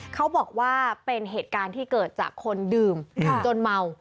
เขาบอกว่าเป็นเหตุการณ์ที่เกิดจากคนดื่มจนเมา